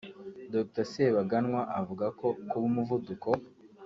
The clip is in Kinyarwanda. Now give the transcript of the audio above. Dr Sebaganwa avuga ko kuba umuvuduko